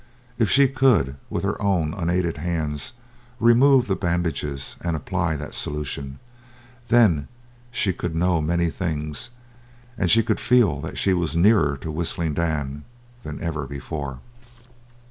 If she could, with her own unaided hands, remove the bandages and apply that solution, then she could know many things, and she could feel that she was nearer to Whistling Dan than ever before.